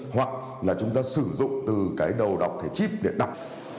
hoặc là chúng ta sử dụng từ cái đầu đọc thì chip để đọc